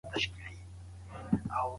که تعلیم دوام ولري، پوهه نه هېرېږي.